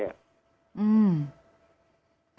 อืม